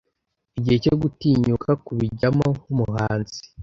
igihe cyo gutinyuka kubijyamo nk’umuhanzi